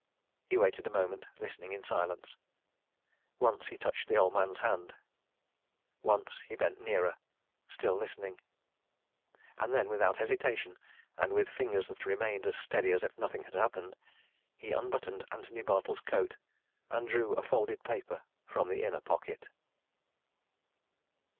He waited a moment, listening in the silence. Once he touched the old man's hand; once, he bent nearer, still listening. And then, without hesitation, and with fingers that remained as steady as if nothing had happened, he unbuttoned Antony Bartle's coat, and drew a folded paper from the inner pocket.